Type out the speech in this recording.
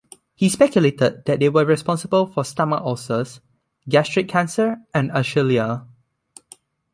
He speculated that they were responsible for stomach ulcers, gastric cancer and achylia.